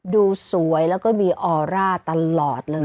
ดูสวยแล้วก็มีออร่าตลอดเลย